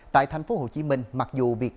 tại thành phố hồ chí minh mặc dù việc